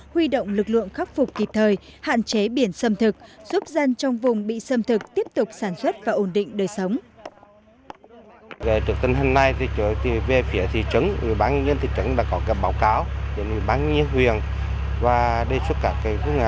huy động lực lượng khắc phục kịp thời hạn chế biển xâm thực giúp dân trong vùng bị xâm thực tiếp tục sản xuất và ổn định đời sống